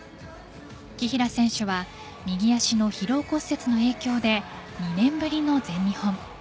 紀平選手は右足の疲労骨折の影響で２年ぶりの全日本。